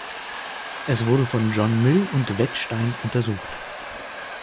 Es wurde von John Mill und Wettstein untersucht.